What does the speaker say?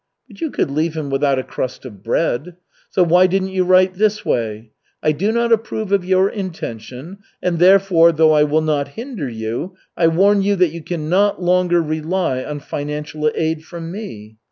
"But you could leave him without a crust of bread. So why didn't you write this way, 'I do not approve of your intention, and therefore, though I will not hinder you, I warn you that you can not longer rely on financial aid from me.'